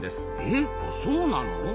えっそうなの！？